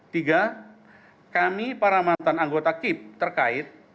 tiga kami para mantan anggota kip terkait